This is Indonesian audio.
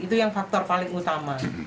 itu yang faktor paling utama